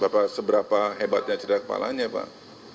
seberapa hebatnya cedera kepalanya pak